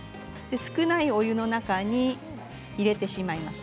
少ないお湯の中に入れてしまいます。